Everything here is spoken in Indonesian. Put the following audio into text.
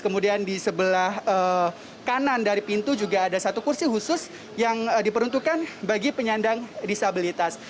kemudian di sebelah kanan dari pintu juga ada satu kursi khusus yang diperuntukkan bagi penyandang disabilitas